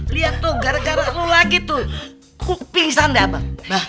lihat tuh gara gara lo lagi tuh pingsan deh abah